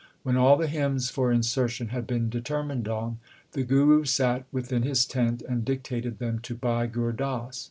When all the hymns for insertion had been deter mined on, the Guru sat within his tent and dictated them to Bhai Gur Das.